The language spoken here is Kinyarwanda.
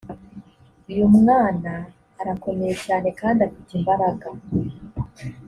uyu mwana arakomeye cyane kandi afite imbaraga